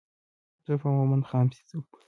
زه په مومن خان پسې ځم.